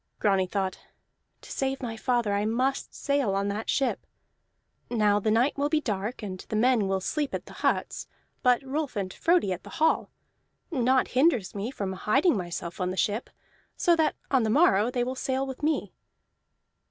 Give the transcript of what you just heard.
Grani thought: "To save my father I must sail on that ship. Now the night will be dark, and the men will sleep at the huts, but Rolf and Frodi at the hall. Naught hinders me from hiding myself on the ship, so that on the morrow they will sail with me."